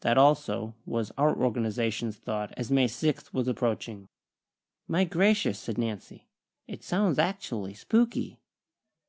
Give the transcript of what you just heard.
That, also, was our Organization's thought as May sixth was approaching. "My gracious!" said Nancy. "It sounds actually spooky!"